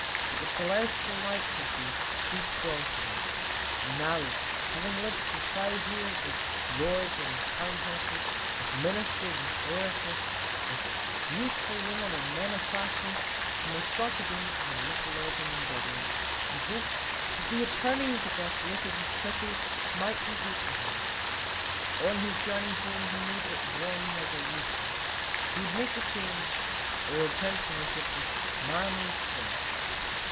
But the celestial lights had been too strong for them, and now, having lived for five years with lords and countesses, with Ministers and orators, with beautiful women and men of fashion, he must start again in a little lodging in Dublin, and hope that the attorneys of that litigious city might be good to him. On his journey home he made but one resolution. He would make the change, or attempt to make it, with manly strength.